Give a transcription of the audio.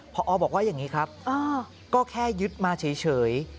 พอบอกว่าอย่างนี้ครับก็แค่ยึดมาเฉย